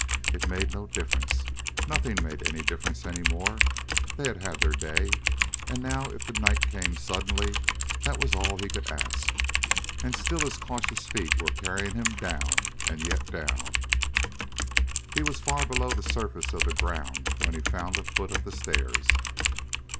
It made no difference. Nothing made any difference any more; they had had their day, and now if the night came suddenly that was all he could ask. And still his cautious feet were carrying him down and yet down.... He was far below the surface of the ground when he found the foot of the stairs.